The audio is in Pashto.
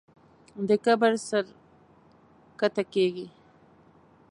د کبر سر ښکته کېږي.